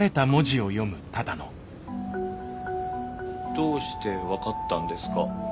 「どうしてわかったんですか？」。